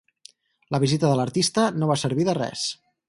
La visita de l'artista no va servir de res.